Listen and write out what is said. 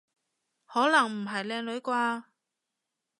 可能唔係靚女啩？